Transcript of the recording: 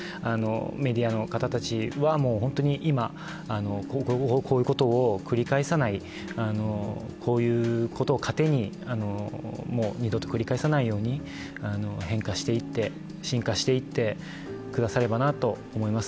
メディアの方たちは今、こういうことを繰り返さない、こういうことを糧に二度と繰り返さないように、変化していって、進化していってくださればと思います。